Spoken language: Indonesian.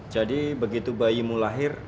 jadi begitu bayimu lahir